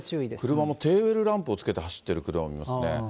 車もテールランプをつけて走ってる車もいますね。